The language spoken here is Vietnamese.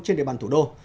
trên địa bàn thủ đô